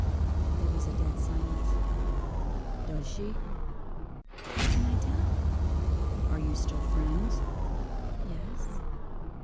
There was a dead silence. "Does she?" "How can I tell?" "Are you still friends?" "Yes."